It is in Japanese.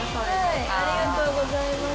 ありがとうございます。